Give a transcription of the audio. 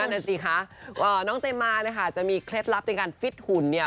นั่นน่ะสิคะน้องเจมานะคะจะมีเคล็ดลับในการฟิตหุ่นเนี่ย